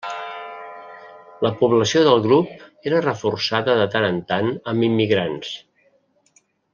La població del grup era reforçada de tant en tant amb immigrants.